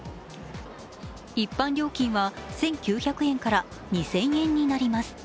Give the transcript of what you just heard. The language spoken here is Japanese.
一般料金は１９００円から２０００円になります。